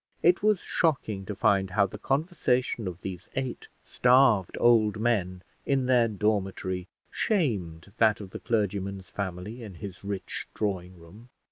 It was shocking to find how the conversation of these eight starved old men in their dormitory shamed that of the clergyman's family in his rich drawing room.